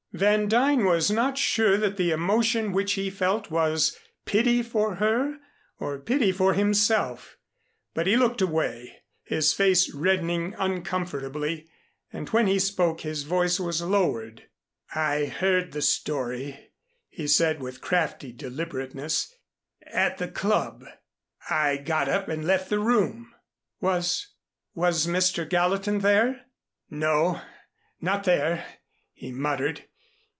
Van Duyn was not sure that the emotion which he felt was pity for her or pity for himself, but he looked away, his face reddening uncomfortably, and when he spoke his voice was lowered. "I heard the story," he said with crafty deliberateness, "at the Club. I got up and left the room." "Was was Mr. Gallatin there?" "No not there?" he muttered.